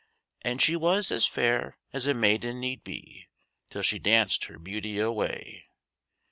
And she was as fair as a maiden need be, Till she danced her beauty away.